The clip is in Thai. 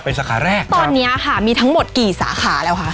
เป็นสาขาแรกตอนเนี้ยค่ะมีทั้งหมดกี่สาขาแล้วคะ